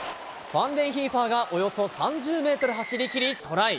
ファンデンヒーファーが、およそ３０メートル走りきりトライ。